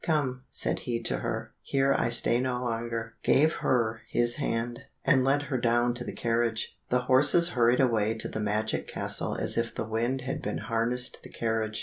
"Come," said he to her, "here I stay no longer," gave her his hand, and led her down to the carriage. The horses hurried away to the magic castle as if the wind had been harnessed to the carriage.